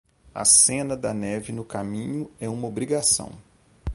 A cena da neve no caminho é uma obrigação